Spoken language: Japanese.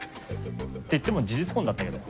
っていっても事実婚だったけど。